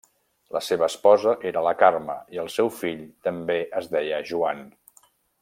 La seva esposa era la Carme i el seu fill també es deia Joan.